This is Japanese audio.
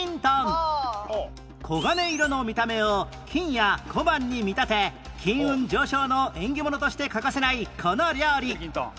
黄金色の見た目を金や小判に見立て金運上昇の縁起ものとして欠かせないこの料理